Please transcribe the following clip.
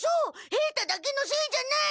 平太だけのせいじゃない。